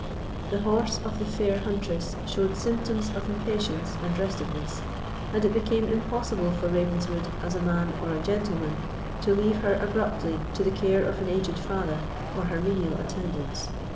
The horse of the fair huntress showed symptoms of impatience and restiveness, and it became impossible for Ravenswood, as a man or a gentleman, to leave her abruptly to the care of an aged father or her menial attendants.